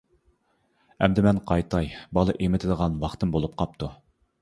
ئەمدى مەن قايتاي، بالا ئېمىتىدىغان ۋاقتىم بولۇپ قاپتۇ.